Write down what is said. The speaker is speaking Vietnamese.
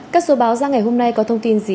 các số báo ra ngày hôm nay có thông tin gì